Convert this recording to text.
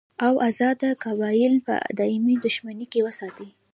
او ازاد قبایل په دایمي دښمنۍ کې وساتي.